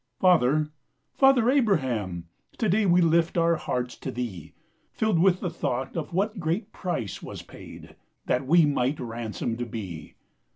Father, Father Abraham, To day we lift our hearts to thee, Filled with the thought of what great price Was paid, that we might ransomed be.